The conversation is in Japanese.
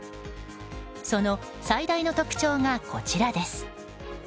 その最大の特徴がこちらです。